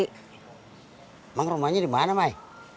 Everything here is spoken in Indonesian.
emang rumahnya di mana mai